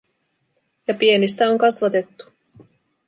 Ja pienistä on kasvatettu.